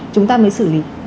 chúng ta mới xử lý